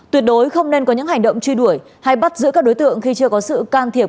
tuyệt đối không nên có những hành động truy đuổi hay bắt giữ các đối tượng khi chưa có sự can thiệp